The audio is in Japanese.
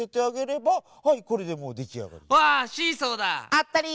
あったり！